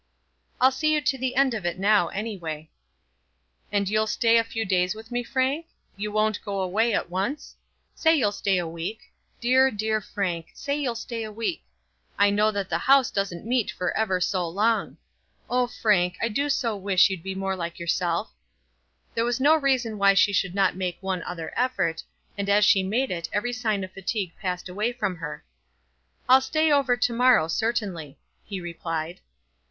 "I'll see you to the end of it now, anyway." "And you'll stay a few days with me, Frank? You won't go away at once? Say you'll stay a week. Dear, dear Frank; say you'll stay a week. I know that the House doesn't meet for ever so long. Oh, Frank, I do so wish you'd be more like yourself." There was no reason why she should not make one other effort, and as she made it every sign of fatigue passed away from her. "I'll stay over to morrow certainly," he replied.